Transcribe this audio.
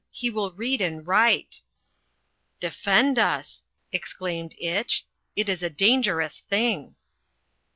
He will read and write." "Defend us!" exclaimed Itch. "It is a dangerous thing."